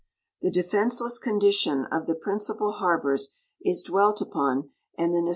The defensele.'<s coinlition of the principal harbors is dwelt upon and the nece.